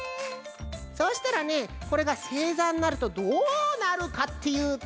そうしたらねこれがせいざになるとどうなるかっていうと。